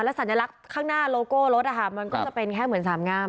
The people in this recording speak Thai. สัญลักษณ์ข้างหน้าโลโก้รถมันก็จะเป็นแค่เหมือนสามงาม